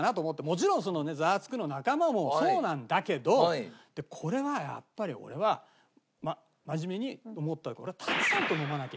もちろん『ザワつく！』の仲間もそうなんだけどでもこれはやっぱり俺は真面目に思ったわけ。